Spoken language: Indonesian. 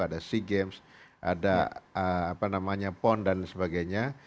ada sea games ada apa namanya pon dan sebagainya